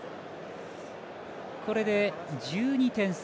これで１２点差。